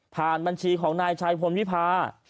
บัญชีของนายชัยพลวิพา